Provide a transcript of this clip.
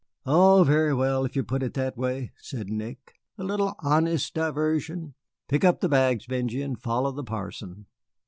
"Oh, very well, if you put it that way," said Nick. "A little honest diversion Pick up the bags, Benjy, and follow the parson."